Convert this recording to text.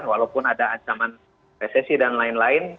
walaupun ada ancaman resesi dan lain lain